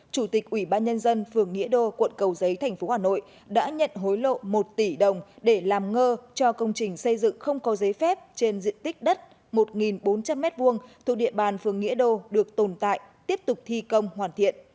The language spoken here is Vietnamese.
chủ tịch ủy ban nhân dân phường nghĩa đô quận cầu giấy thành phố hà nội đã nhận hối lộ một tỷ đồng để làm ngơ cho công trình xây dựng không có giấy phép trên diện tích đất một bốn trăm linh m hai thuộc địa bàn phường nghĩa đô được tồn tại tiếp tục thi công hoàn thiện